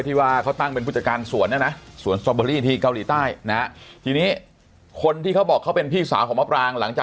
ที่ว่าเขาตั้งเป็นผู้จัดการสวนนะนะ